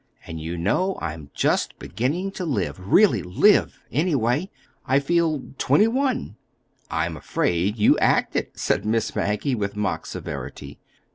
And you know I'm just beginning to live—really live, anyway! I feel—twenty one." "I'm afraid you act it," said Miss Maggie, with mock severity.